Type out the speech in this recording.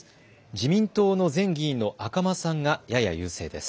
自民党の前議員の赤間さんがやや優勢です。